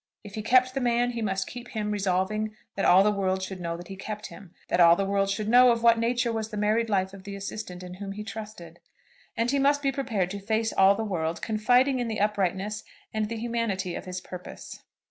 If he kept the man he must keep him resolving that all the world should know that he kept him, that all the world should know of what nature was the married life of the assistant in whom he trusted. And he must be prepared to face all the world, confiding in the uprightness and the humanity of his purpose.